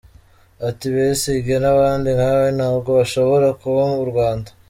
Ati Besigge n’abandi nkawe ntabwo bashobora kuba mu Rwanda.